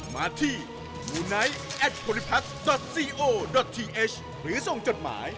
มาที่มูไนท์แอดภูริพัฒน์จดซีโอดอททีเอชหรือส่งจดหมาย